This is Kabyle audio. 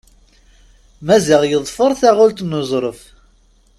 Maziɣ yeḍfer taɣult n Uẓref.